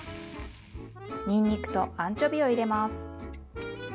にんにくとアンチョビを入れます。